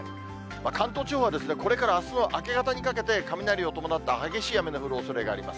関東地方はこれからあすの明け方にかけて、雷を伴った激しい雨の降るおそれがあります。